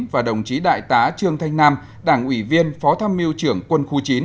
và đồng chí đại tá trương thanh nam đảng ủy viên phó tham miêu trưởng quân khu chín